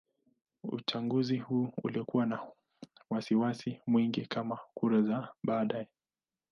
Uchaguzi huu ulikuwa na wasiwasi mwingi kama kura za baadaye.